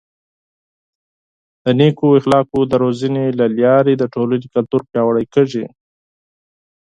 د نیکو اخلاقو د روزنې له لارې د ټولنې کلتور پیاوړی کیږي.